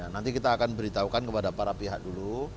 nanti kita akan beritahukan kepada para pihak dulu